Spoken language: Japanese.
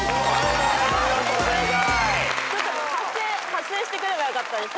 発声してくればよかったです。